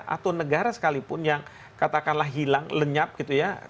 atau negara sekalipun yang katakanlah hilang lenyap gitu ya